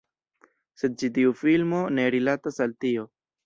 Sed ĉi tiu filmo ne rilatas al tio.